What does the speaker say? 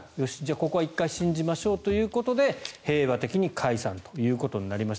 ここは一回信じましょうということで平和的に解散ということになりました